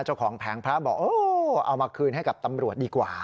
เจ้าของแผงพระบอกเอามาคืนให้กับตำรวจดีกว่า